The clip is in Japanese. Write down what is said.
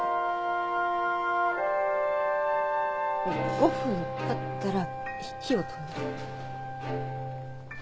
５分経ったら火を止める。